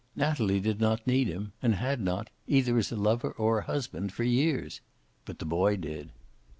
Natalie did not need him, and had not, either as a lover or a husband, for years. But the boy did.